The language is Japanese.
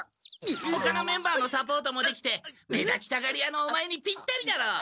ほかのメンバーのサポートもできて目立ちたがり屋のオマエにぴったりだろう。